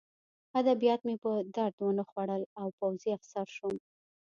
ادبیات مې په درد ونه خوړل او پوځي افسر شوم